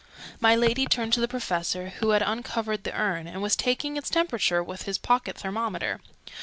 My Lady turned to the Professor, who had uncovered the urn, and was taking its temperature with his pocket thermometer.